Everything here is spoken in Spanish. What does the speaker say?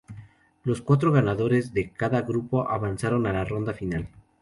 Los cuatro ganadores de cada grupo avanzaron a la ronda final.